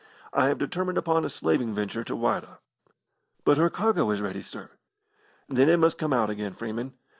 I have determined upon a slaving venture to Whydah." "But her cargo is ready, sir." "Then it must come out again, Freeman.